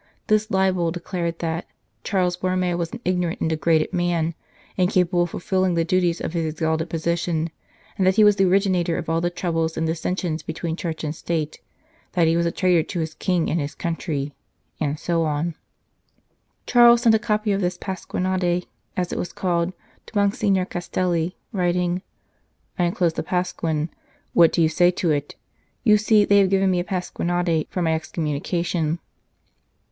This libel declared that " Cardinal Borromeo was an ignorant and degraded man, incapable of fulfilling the duties of his exalted position, and that he was the originator of all the troubles and dissensions between Church and State, that he was a traitor to his King and his country," and so on. Charles sent a copy of this pasquinade, as it was called, to Monsignor Castelli, writing :" I enclose the Pasquin : what do you say to it ? You see they have given me a pasquinade for my excommunication."